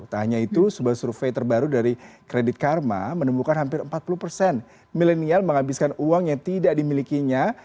tak hanya itu sebuah survei terbaru dari kredit karma menemukan hampir empat puluh persen milenial menghabiskan uang yang tidak dimilikinya